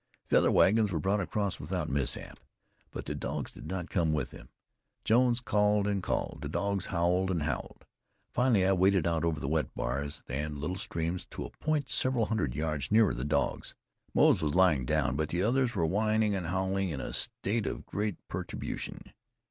The other wagons were brought across without mishap; but the dogs did not come with them. Jones called and called. The dogs howled and howled. Finally I waded out over the wet bars and little streams to a point several hundred yards nearer the dogs. Moze was lying down, but the others were whining and howling in a state of great perturbation.